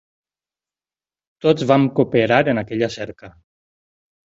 Tots vam cooperar en aquella cerca.